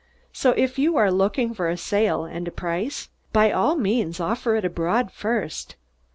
So, if you are looking for a sale and a price, by all means offer it abroad first."